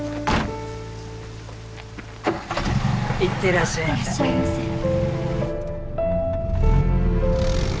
行ってらっしゃいませ。